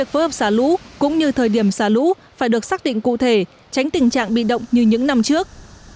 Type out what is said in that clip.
phối hợp xả lũ cũng như thời điểm xả lũ phải được xác định cụ thể tránh tình trạng bị động như những năm trước